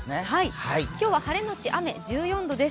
今日は晴れのち雨、１４度です。